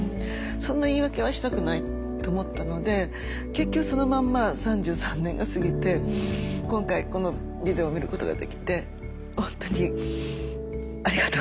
そんな言い訳はしたくないと思ったので結局そのまんま３３年が過ぎて今回このビデオ見ることができてほんとにありがとうございます。